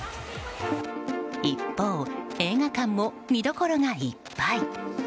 一方、映画館も見どころがいっぱい。